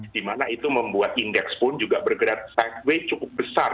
dimana itu membuat indeks pun juga bergerak sideway cukup besar